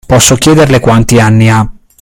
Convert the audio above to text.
Posso chiederle quanti anni ha?